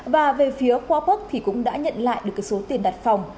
và về phía khoa puck cũng đã nhận lại được số tiền đặt phòng